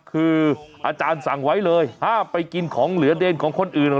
คืออาจารย์สั่งไว้เลยห้ามไปกินของเหลือเดนของคนอื่น